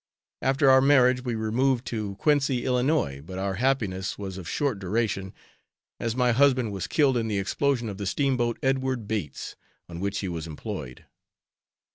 After our marriage, we removed to Quincy, Ill., but our happiness was of short duration, as my husband was killed in the explosion of the steamboat Edward Bates, on which he was employed.